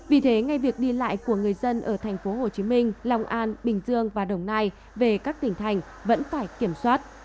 vì thế ngay việc đi lại của người dân ở thành phố hồ chí minh long an bình dương và đồng nai về các tỉnh thành vẫn phải kiểm soát